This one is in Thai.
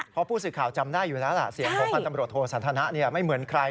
เพราะผู้สื่อข่าวจำได้อยู่แล้วล่ะเสียงของพันธ์ตำรวจโทสันทนะไม่เหมือนใคร